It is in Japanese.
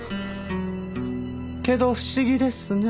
けど不思議ですね。